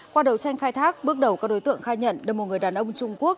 qua đầu tranh khai thác bước đầu các đối tượng khai nhận được một người đàn ông trung quốc